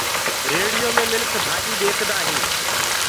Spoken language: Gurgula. ريڙهيو مي منک ڀآڃيٚ ٻيڪدآ هينٚ